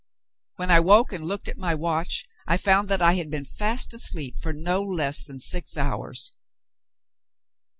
When I woke, and looked at my watch, I found that I had been fast asleep for no less than six hours!